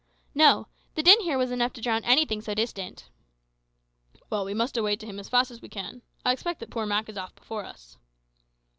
"No; the din here was enough to drown anything so distant." "Well, we must away to him as fast as we can. I expect that poor Mak is off before us."